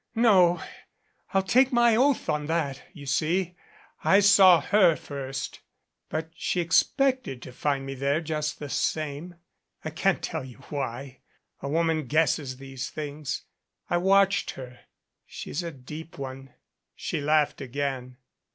"No I'll take my oath on that you see, I saw her first. But she expected to find me there just the same. I can't tell you why a woman guesses these things. I watched her. She's a deep one." She laughed again.